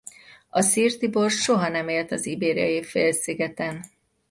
A szirti borz soha nem élt az Ibériai-félszigeten.